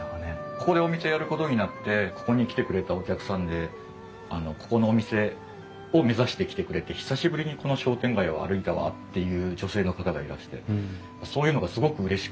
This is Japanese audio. ここでお店やることになってここに来てくれたお客さんでここのお店を目指して来てくれて「久しぶりにこの商店街を歩いたわ」っていう女性の方がいらしてそういうのがすごくうれしくて。